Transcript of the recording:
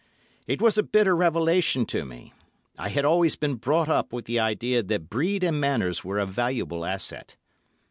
It was a bitter revelation to me. I had always been brought up with the idea that breed and manners were a valuable asset.